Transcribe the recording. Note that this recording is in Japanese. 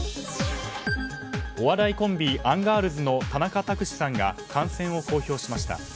お笑いコンビアンガールズの田中卓志さんが感染を公表しました。